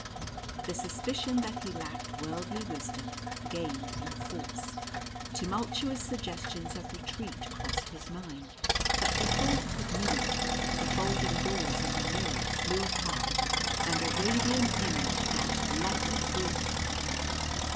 The suspicion that he lacked worldly wisdom gained in force. Tumultuous suggestions of retreat crossed his mind but before he could move, the folding doors in the mirror flew apart, and a radiant image dashed lightly through them.